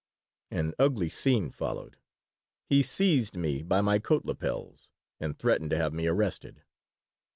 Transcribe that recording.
An ugly scene followed. He seized me by my coat lapels and threatened to have me arrested.